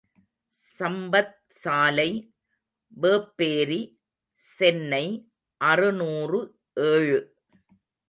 சம்பத் சாலை, வேப்பேரி, சென்னை அறுநூறு ஏழு.